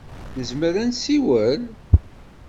Nezmer ad nessiwel?